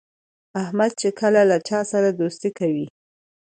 احمد چې کله له چا سره دوستي کوي،